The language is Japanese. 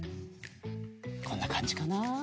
こんなかんじかな。